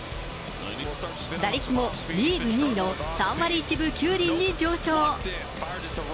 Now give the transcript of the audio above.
打率もリーグ２位の３割１分９厘に上昇。